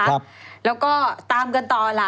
แล้วก็ตามกันต่อล่ะ